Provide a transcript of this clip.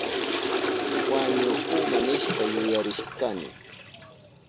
Wañuhuma nishpa yuyarishkani.